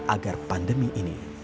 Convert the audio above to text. agar pandemi ini